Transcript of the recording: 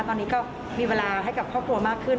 ตอนนี้ก็มีเวลาให้กับครอบครัวมากขึ้น